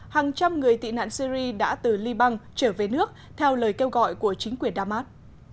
hàng trăm người tị nạn syri đã từ liban trở về nước theo lời kêu gọi của chính quyền damas